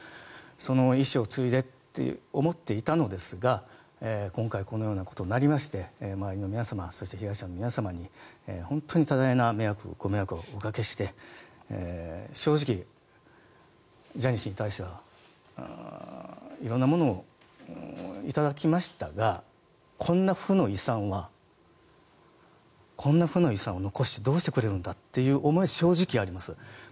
その遺志を継いでいこうと思っていたのですが今回このようになりまして周りの皆様そして、被害者の皆様に本当に多大な迷惑をおかけして正直、ジャニー氏に対しては色んなものを頂きましたがこんな負の遺産を残してどうしてくれるんだという思いが正直あります。